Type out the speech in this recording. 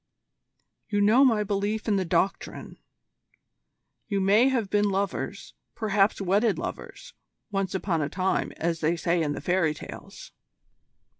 You know my belief in the Doctrine. You may have been lovers perhaps wedded lovers once upon a time, as they say in the fairy tales."